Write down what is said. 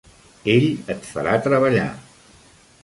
Ell et farà treballar.